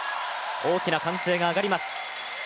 大きな歓声が上がります。